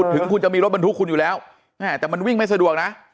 ถึงคุณจะมีรถบรรทุกคุณอยู่แล้วแต่มันวิ่งไม่สะดวกนะ